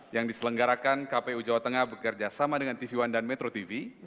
yang diselenggarakan kpu jawa tengah bekerja sama dengan tv one dan metro tv